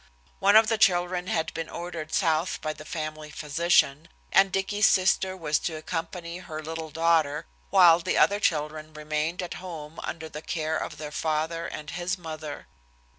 One of the children had been ordered south by the family physician, and Dicky's sister was to accompany her little daughter, while the other children remained at home under the care of their father and his mother.